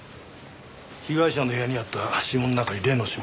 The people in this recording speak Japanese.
被害者の部屋にあった指紋の中に例の指紋あったぞ。